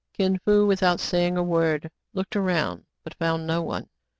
Kin Fo, without saying a word, looked around, but found — no one.